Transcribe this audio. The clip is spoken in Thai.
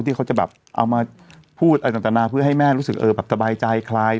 ที่เขาจะแบบเอามาพูดอะไรต่างนานาเพื่อให้แม่รู้สึกแบบสบายใจคลาย